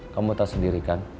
kamu tau sendiri kan